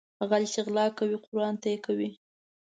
غل چې غلا کوي قرآن ته يې کوي